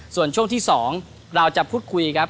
ส่วนช่วงที่๒เราจะพูดคุยครับ